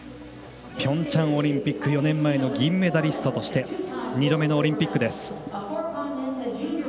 ピョンチャンオリンピック４年前の銀メダリストとして２度目のオリンピックです。